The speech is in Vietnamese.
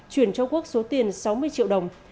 chuyển cho quốc số tiền sáu mươi triệu đồng